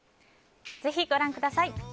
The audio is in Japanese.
ぜひご覧ください。